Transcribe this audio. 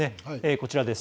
こちらです。